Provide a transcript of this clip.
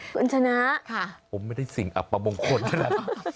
คุณชนะค่ะผมไม่ได้สิ่งอัปมงคลนะ